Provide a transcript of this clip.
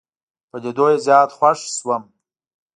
په لیدو یې زیات خوښ شوم.